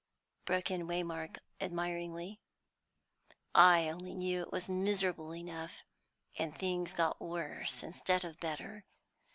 broke in Waymark admiringly. "I only know it was miserable enough. And things got worse instead of better.